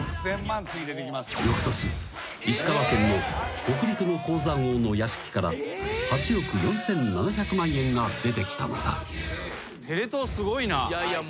［よくとし石川県の北陸の鉱山王の屋敷から８億４，７００万円が出てきたのだ］